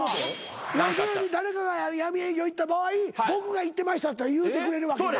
要するに誰かが闇営業行った場合僕が行ってましたって言うてくれる。